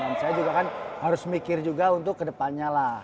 dan saya juga kan harus mikir juga untuk kedepannya lah